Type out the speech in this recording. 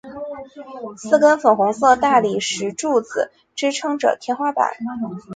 四根粉红色大理石柱子支持着天花板。